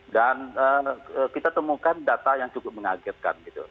dan kita temukan data yang cukup mengagetkan